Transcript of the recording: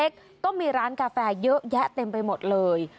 ก็มีร้านกาแฟเยอะแยะเต็มไปหมดเลย